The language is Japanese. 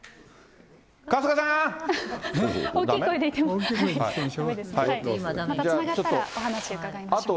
またつながったらお話伺いましょう。